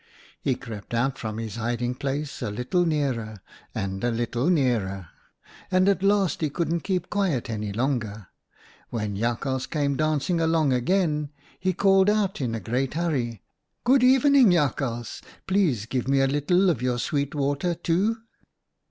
He crept out from his hiding place, a 96 OUTA KAREL'S STORIES little nearer, and a little nearer, and at last he couldn't keep quiet any longer. When Jakhals came dancing along again, he called out in a great hurry, ■ Good evening, Jakhals ! Please give me a little of your sweet water, too!'